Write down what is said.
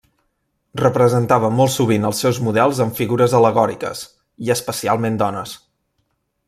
Representava molt sovint els seus models amb figures al·legòriques, i especialment dones.